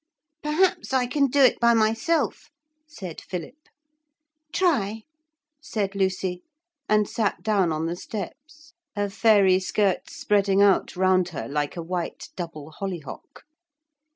'Perhaps I can do it by myself,' said Philip. 'Try,' said Lucy, and sat down on the steps, her fairy skirts spreading out round her like a white double hollyhock.